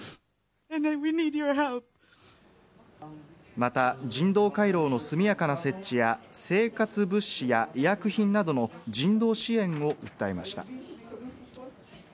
また人道回廊の速やかな設置や生活物資や医薬品などの人道支援を訴えました。